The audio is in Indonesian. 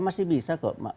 masih bisa kok